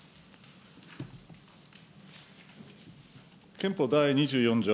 憲法第２４条